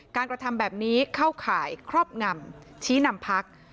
กระทำแบบนี้เข้าข่ายครอบงำชี้นำพัก